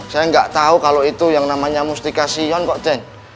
saya gak tahu kalau itu yang namanya mustikasion kok den